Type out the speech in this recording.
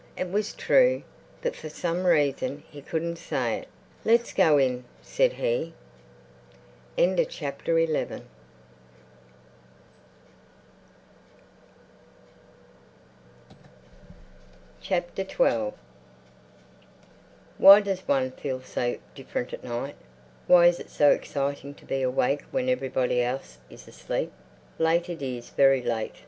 It was true, but for some reason he couldn't say it. "Let's go in," said he. XII Why does one feel so different at night? Why is it so exciting to be awake when everybody else is asleep? Late—it is very late!